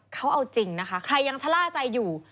เขาเอาจริงนะคะใครยังชะล่าใจอยู่